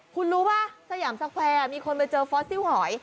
คุณรู้ป่ะสยามสแควร์มีคนไปเจอฟอสซิลหอย